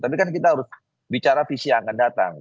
tapi kan kita harus bicara visi yang akan datang